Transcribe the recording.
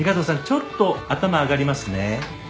ちょっと頭上がりますね。